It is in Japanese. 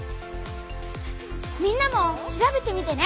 みんなも調べてみてね！